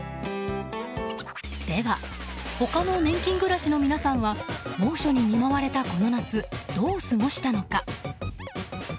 では、他の年金暮らしの皆さんは猛暑に見舞われたこの夏、どう過ごしたのか？